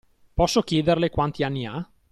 Posso chiederle quanti anni ha?